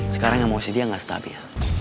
sekarang sama si dia gak stabil